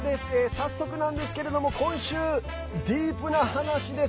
早速なんですけれども今週、ディープな話です。